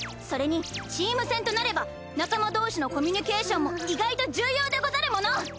それにチーム戦となれば仲間どうしのコミュニケーションも意外と重要でござるもの！